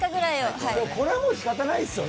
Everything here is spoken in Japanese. これはもうしかたないですよね。